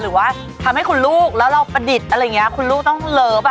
หรือว่าทำให้คุณลูกแล้วเราประดิษฐ์อะไรอย่างนี้คุณลูกต้องเลิฟ